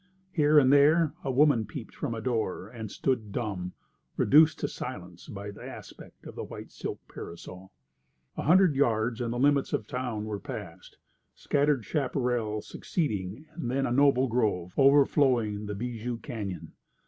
Here and there a woman peeped from a door and stood dumb, reduced to silence by the aspect of the white silk parasol. A hundred yards and the limits of the town were passed, scattered chaparral succeeding, and then a noble grove, overflowing the bijou cañon.